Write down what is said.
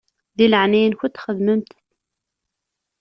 Di leɛnaya-nkent xedmemt-t.